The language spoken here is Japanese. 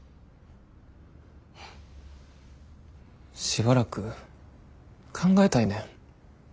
しばらく考えたいねん。